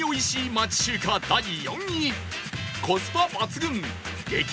町中華第４位